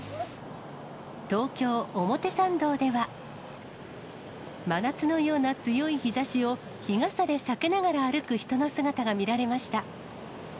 東京・表参道では、真夏のような強い日ざしを、日傘で避けながら歩く人の姿が見られました。